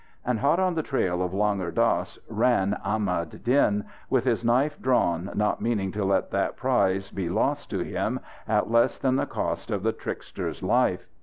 And hot on the trail of Langur Dass ran Ahmad Din, with his knife drawn not meaning to let that prize be lost to him at less than the cost of the trickster's life.